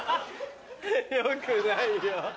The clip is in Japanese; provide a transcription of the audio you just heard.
よくないよ。